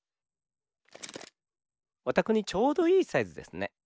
おたくにちょうどいいサイズですね。